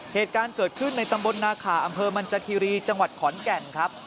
เหตุการณ์เกิดขึ้นในตำบลนาขาอำเภอมันจคีรีจังหวัดขอนแก่นครับ